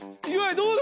どうだ？